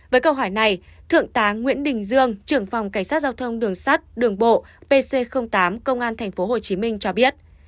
với câu hỏi này thượng tá nguyễn đình dương trưởng phòng cảnh sát giao thông đường sắt đường bộ pc tám công an tp hcm cho biết